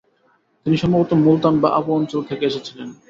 তিনি সম্ভবত মুলতান বা আবু অঞ্চল থেকে এসেছিলেন।